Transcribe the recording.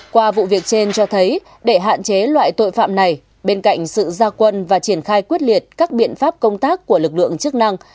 qua vụ việc trên cho thấy để hạn chế loại tội phạm này bên cạnh sự gia quân và triển khai quyết liệt các biện pháp công tác của lực lượng chức năng